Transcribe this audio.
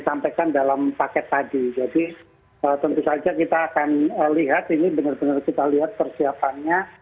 sampaikan dalam paket tadi jadi tentu saja kita akan lihat ini benar benar kita lihat persiapannya